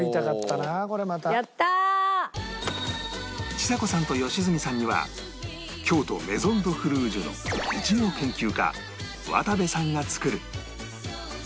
ちさ子さんと良純さんには京都メゾン・ド・フルージュのイチゴ研究家渡部さんが作る